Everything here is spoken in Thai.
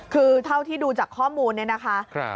คือเท่าที่ดูจากข้อมูลเนี่ยนะคะ